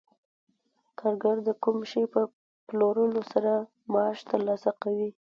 کارګر د کوم شي په پلورلو سره معاش ترلاسه کوي